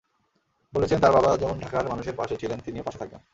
বলেছেন, তাঁর বাবা যেমন ঢাকার মানুষের পাশে ছিলেন তিনিও পাশে থাকবেন।